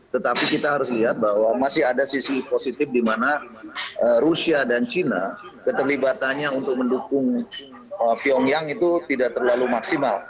tetapi kita harus lihat bahwa masih ada sisi positif di mana rusia dan cina keterlibatannya untuk mendukung pyongyang itu tidak terlalu maksimal